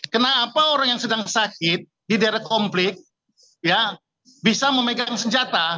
kenapa orang yang sedang sakit di daerah konflik bisa memegang senjata